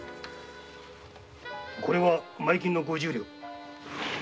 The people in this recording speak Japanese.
これは前金の五十両。